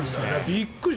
びっくり。